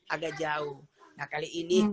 agak jauh nah kali ini